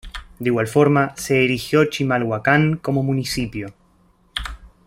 De igual forma se erigió Chimalhuacán como municipio.